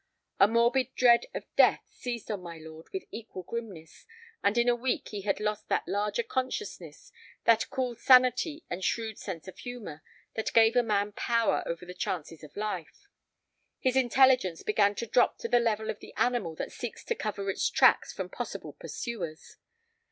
A morbid dread of death seized on my lord with equal grimness, and in a week he had lost that larger consciousness, that cool sanity and shrewd sense of humor, that give a man power over the chances of life. His intelligence began to drop to the level of the animal that seeks to cover its tracks from possible pursuers.